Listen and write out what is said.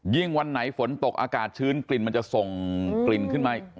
วันไหนฝนตกอากาศชื้นกลิ่นมันจะส่งกลิ่นขึ้นมา